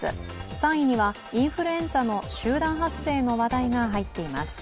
３位にはインフルエンザの集団発生の話題が入っています。